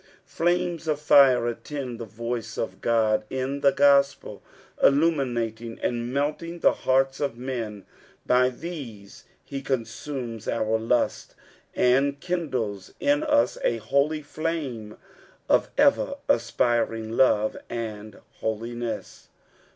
Flames of fire attend the voice of Ood in the gospel, illuminating and melting the hearts nf men ; by these he consumes our lusts and kindles in us a holy Qame of ever aapiring love and holiness.